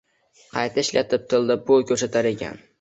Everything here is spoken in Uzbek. Qayta ishlanib tilda, boʻy koʻrsatar ekan